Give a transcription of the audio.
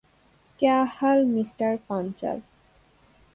ক্যা হাল মিস্টার পাঞ্চাল?